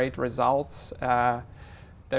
tôi rất thích